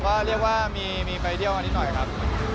ก็เรียกว่ามีไปเที่ยวอันนี้หน่อยครับ